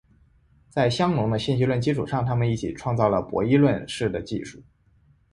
在香农的信息论基础上他们一起创造了博弈论似的技术。